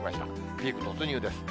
ピーク突入です。